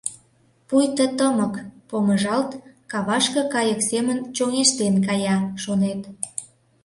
Пуйто тымык, помыжалт, кавашке кайык семын чоҥештен кая, шонет.